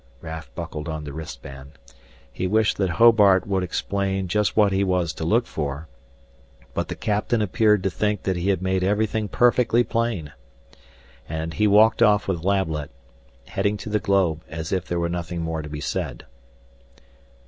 Raf buckled on the wristband. He wished that Hobart would explain just what he was to look for, but the captain appeared to think that he had made everything perfectly plain. And he walked off with Lablet, heading to the globe, as if there was nothing more to be said.